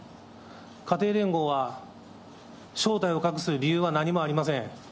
家庭連合は、正体を隠す理由は何もありません。